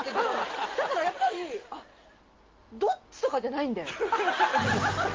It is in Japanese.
だからやっぱり「どっち」とかじゃないんだよ。ハハハ！